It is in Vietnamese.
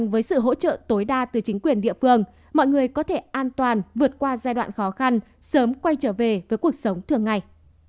với sự hỗ trợ tối đa từ chính quyền địa phương mọi người có thể an toàn vượt qua giai đoạn khó khăn sớm quay trở về với cuộc sống thường ngày